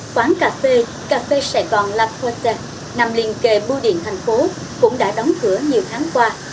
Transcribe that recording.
quán cà phê cà phê sài gòn la corte nằm liên kề bưu điện tp hcm cũng đã đóng cửa nhiều tháng qua